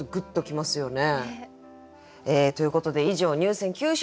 ねえ。ということで以上入選九首でした。